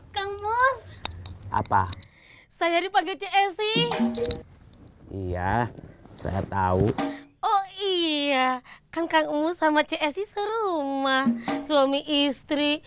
kamu apa saya dipakai csi iya saya tahu oh iya kan kamu sama csi serumah suami istri